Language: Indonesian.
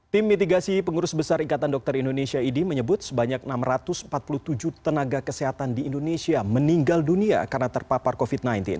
tim mitigasi pengurus besar ikatan dokter indonesia idi menyebut sebanyak enam ratus empat puluh tujuh tenaga kesehatan di indonesia meninggal dunia karena terpapar covid sembilan belas